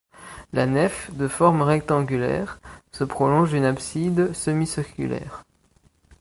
La nef, de forme rectangulaire, se prolonge d'une abside semi-circulaire.